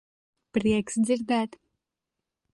Prieks dzirdēt.